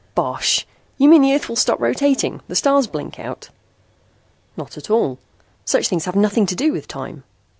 "Bosh! You mean the earth will stop rotating, the stars blink out?" "Not at all. Such things have nothing to do with time.